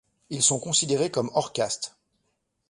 Ils sont considérés comme hors caste.